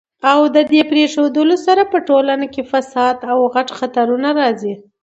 او ددي په پريښودلو سره په ټولنه کي فساد او غټ خطرونه راځي